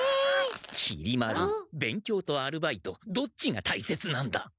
きり丸勉強とアルバイトどっちが大切なんだ。